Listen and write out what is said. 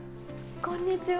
こんにちは。